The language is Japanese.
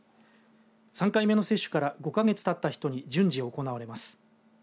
３回目の接種から５か月たった人に順次、行われます。